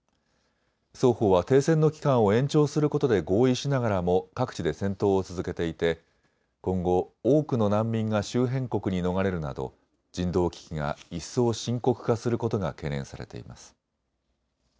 双方は停戦の期間を延長することで合意しながらも各地で戦闘を続けていて今後多くの難民が周辺国に逃れるなど人道危機が一層深刻化することが懸念されています。